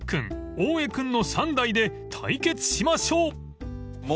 大江君の３台で対決しましょう］